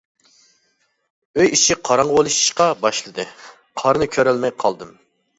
ئۆي ئىچى قاراڭغۇلىشىشقا باشلىدى، قارنى كۆرەلمەي قالدىم، ،.